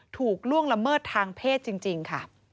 ล่วงละเมิดทางเพศจริงค่ะ